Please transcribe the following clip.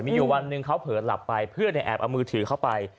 มีอยู่วันหนึ่งเขาเผลอหลับไปเพื่อนแอบเอามือถือเข้าไป